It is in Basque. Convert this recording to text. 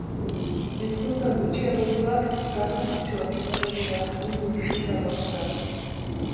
Hizkuntza gutxiagotuak garrantzitsuak izango dira mundu digital honetan.